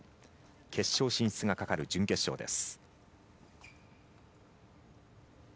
決勝進出がかかる準決勝です。